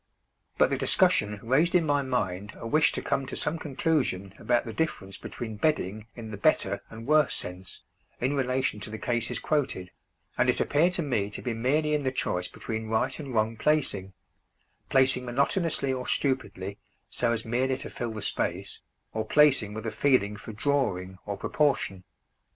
But the discussion raised in my mind a wish to come to some conclusion about the difference between bedding in the better and worse sense, in relation to the cases quoted, and it appeared to me to be merely in the choice between right and wrong placing placing monotonously or stupidly, so as merely to fill the space, or placing with a feeling for "drawing" or proportion.